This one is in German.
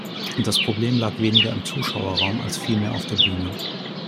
Das Problem lag weniger im Zuschauerraum, als vielmehr auf der Bühne.